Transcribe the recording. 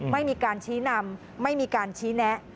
ไม่มีการชี้นำไม่มีการชี้แนะ